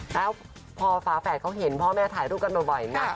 แล้วพอฝาแฝดเขาเห็นพ่อแม่ถ่ายรูปกันบ่อยนะ